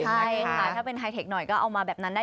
ใช่ค่ะถ้าเป็นไฮเทคหน่อยก็เอามาแบบนั้นได้